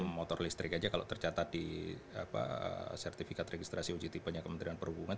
motor listrik aja kalau tercatat di sertifikat registrasi ugt pernyakit menteri dan perhubungan